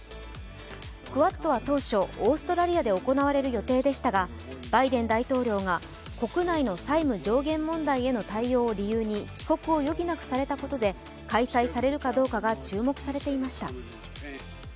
クアッドは当初、オーストラリアで行われる予定でしたがバイデン大統領が国内の債務上限問題への対応を理由に帰国を余儀なくされたことで開催されるかどうかが注目されていました。